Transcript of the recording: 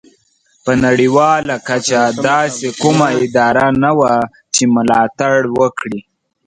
په نړیواله کچه داسې کومه اداره نه وه چې ملاتړ وکړي.